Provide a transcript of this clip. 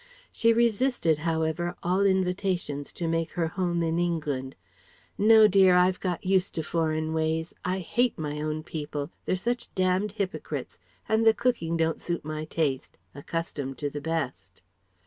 She resisted however all invitations to make her home in England. "No, dear; I've got used to foreign ways. I hate my own people; they're such damned hypocrites; and the cooking don't suit my taste, accustomed to the best."